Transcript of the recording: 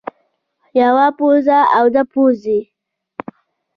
يوه پوزه او دوه پوزې